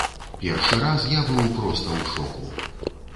Першы раз я быў проста ў шоку.